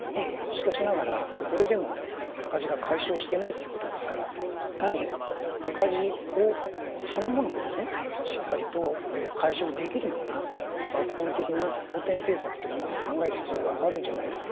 しかしながら、これでも赤字が解消してないということですからやはり赤字そのものをしっかりと解消できるような抜本的な補てん政策というものを考える必要があるんじゃないかと。